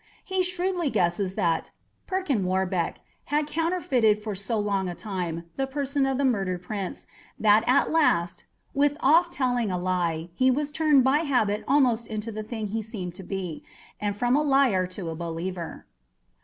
He shrewdly guesses that "Perkin Warbeck" had counterfeited for so long a time the person of the murdered prince, that at last, "with oft telling a lie, he was turned by habit almost into the thing he seemed to be, and from a liar to a believer."